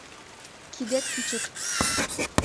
Кидет кӱчык!